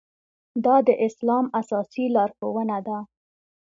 دا د اسلام اساسي لارښوونه ده.